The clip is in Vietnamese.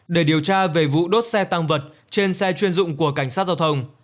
để điều tra về vụ đốt xe tăng vật trên xe chuyên dụng của cảnh sát giao thông